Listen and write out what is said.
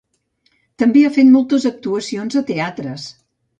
També ha fet moltes actuacions a teatres.